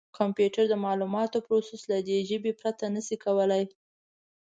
کمپیوټر د معلوماتو پروسس له دې ژبې پرته نه شي کولای.